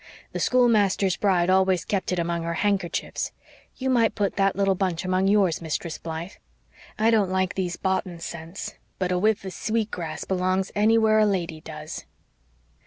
The schoolmaster's bride always kept it among her handkerchiefs. You might put that little bunch among yours, Mistress Blythe. I don't like these boughten scents but a whiff of sweet grass belongs anywhere a lady does."